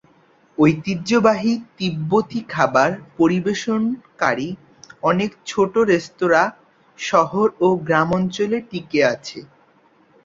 ঐতিহ্যবাহী তিব্বতী খাবার পরিবেশনকারী অনেক ছোটো রেস্তোরাঁ শহর ও গ্রামাঞ্চলে টিকে আছে।